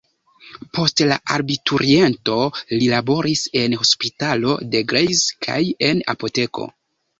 Post la abituriento, li laboris en hospitalo de Greiz kaj en apoteko.